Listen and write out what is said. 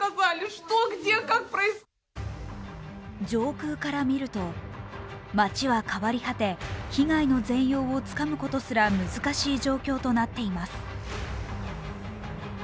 上空から見ると、街は変わり果て被害の全容をつかむことすら難しい状況となっています。